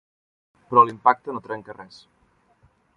Però l'impacte no trenca res.